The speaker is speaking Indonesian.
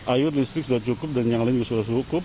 air listrik sudah cukup dan yang lain juga sudah cukup